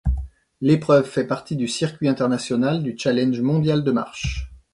L'épreuve fait partie du circuit international du challenge mondial de marche.